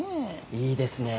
いいですね。